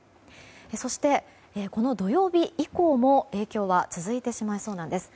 そしてこの土曜日以降も影響は続いてしまいそうです。